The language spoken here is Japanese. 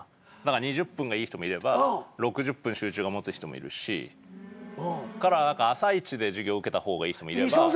２０分がいい人もいれば６０分集中が持つ人もいるし朝一で授業受けた方がいい人もいれば。